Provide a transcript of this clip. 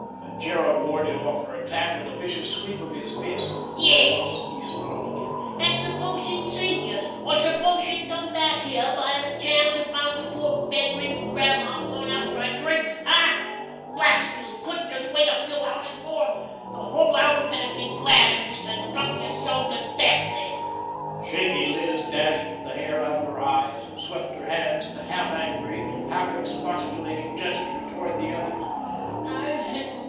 The Cherub warded off her attack with a vicious sweep of his fist. "Yes!" he snarled again. "An' suppose she'd seen youse! Or suppose she'd come back here by any chance an' found de poor bedridden grandma gone out fer a drink—eh! Blast youse, couldn't youse wait a few hours more? De whole outfit 'ud be glad if youse had drunk yerself to death den!" Shaky Liz dashed the hair out of her eyes, and swept her hands in a half angry, half expostulating gesture toward the others.